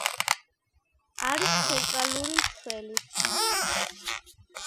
არის ცენტრალური მცველი.